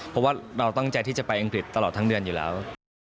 เพราะว่าเราตั้งใจที่จะไปอังกฤษตลอดทั้งเดือนอยู่แล้ว